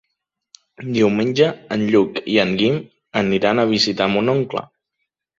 Diumenge en Lluc i en Guim aniran a visitar mon oncle.